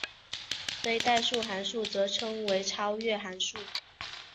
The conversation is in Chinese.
非代数函数则称为超越函数。